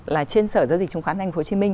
là trên sở giao dịch chứng khoán anh phố hồ chí minh